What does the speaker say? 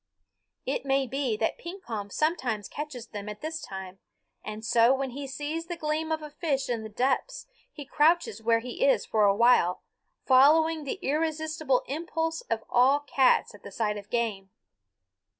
It may be that Pekompf sometimes catches them at this time, and so when he sees the gleam of a fish in the depths he crouches where he is for a while, following the irresistible impulse of all cats at the sight of game.